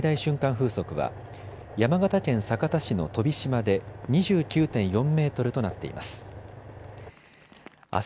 風速は山形県酒田市の飛島で２９．４メートルとなっています。